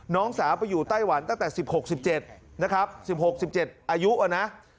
น้องสาวไปอยู่ไต้หวันตั้งแต่๑๖๑๗นะครับ๑๖๑๗อายุอ่ะนะ